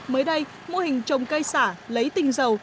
mới đây mô hình trồng cây xả lấy tinh dầu